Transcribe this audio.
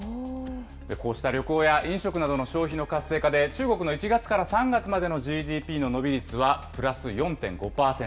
こうした旅行や飲食などの消費の活性化で、中国の１月から３月までのＧＤＰの伸び率はプラス４．５％。